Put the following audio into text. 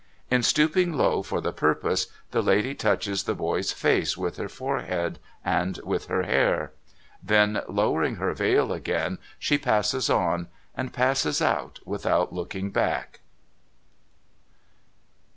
In stooping low for the purpose, the lady touches the boy's face with her forehead and with her hair. Then, lowering her veil again, she passes on, and passes out without looking back.